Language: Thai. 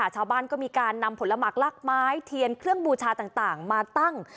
ชาวบ้านก็มีการนำผลหมักลักไม้เทียนเครื่องบูชาต่างมาตั้ง